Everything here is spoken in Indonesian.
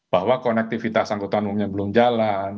bahwa konektivitas angkutan umumnya belum jalan